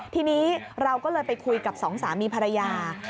ทีนี้เราก็เลยไปคุยกับสองสามีภรรยา